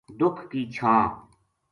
دُکھ کی چھاں